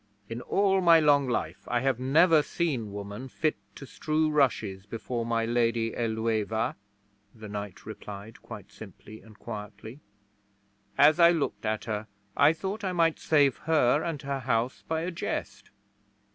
'In all my long life I have never seen woman fit to strew rushes before my Lady Ælueva,' the knight replied, quite simply and quietly. 'As I looked at her I thought I might save her and her house by a jest.